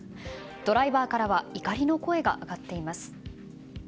ドライバーからは怒りの声が上がっています。